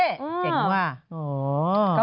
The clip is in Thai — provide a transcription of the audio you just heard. เจ๋งกว่า